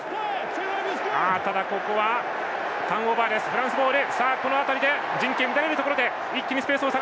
ただ、ターンオーバーフランスボール。